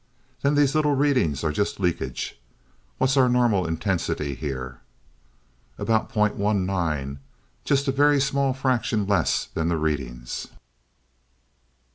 "Then these little readings are just leakage. What's our normal intensity here?" "About .19. Just a very small fraction less than the readings."